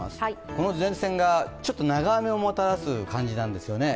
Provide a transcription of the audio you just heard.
この前線が長雨をもたらす感じなんですよね。